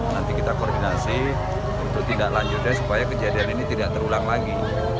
nanti kita koordinasi untuk tindak lanjutnya supaya kejadian ini tidak terulang lagi